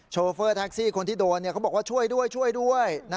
โชเฟอร์ตั็คซี่คนที่โดนเขาบอกว่าช่วยด้วย